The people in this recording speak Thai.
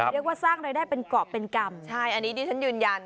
เรียกว่าสร้างรายได้เป็นกรอบเป็นกรรมใช่อันนี้ดิฉันยืนยัน